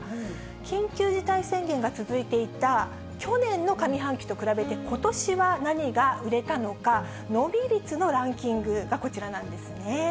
緊急事態宣言が続いていた去年の上半期と比べて、ことしは何が売れたのか、伸び率のランキングがこちらなんですね。